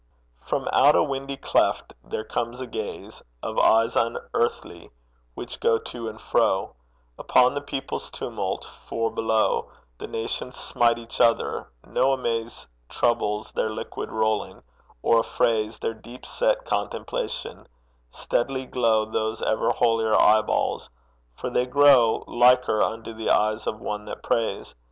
From out a windy cleft there comes a gaze Of eyes unearthly which go to and fro Upon the people's tumult, for below The nations smite each other: no amaze Troubles their liquid rolling, or affrays Their deep set contemplation: steadily glow Those ever holier eye balls, for they grow Liker unto the eyes of one that prays.